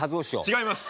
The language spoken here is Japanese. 違います。